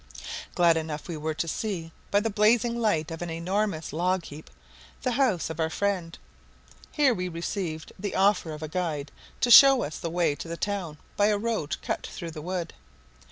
Glad enough we were to see, by the blazing light of an enormous log heap, the house of our friend. Here we received the offer of a guide to show us the way to the town by a road cut through the wood.